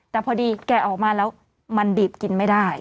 แต่พอดีแกะออกมาแล้วมันบีบกินไม่ได้